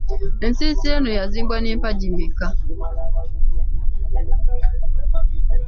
Ensiisira eno yazimbwa n’empagi mmeka?